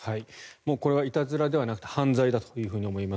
これはいたずらではなく犯罪だと思います。